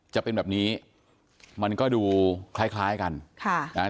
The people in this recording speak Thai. จะเป็นแบบนี้มันก็ดูคล้ายคล้ายกันค่ะนะฮะ